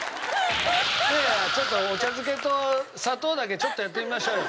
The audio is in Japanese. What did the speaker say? いやいやちょっとお茶づけと砂糖だけちょっとやってみましょうよ。